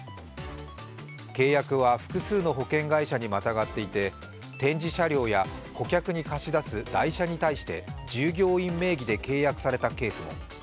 契約は複数の保険会社にまたがっていて展示車両や顧客に貸し出す代車に対して従業員名義で契約されたケースも。